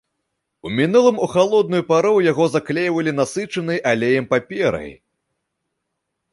У мінулым у халодную пару яго заклейвалі насычанай алеем паперай.